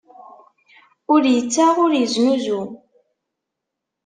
Ur ittaɣ, ur iznuzu.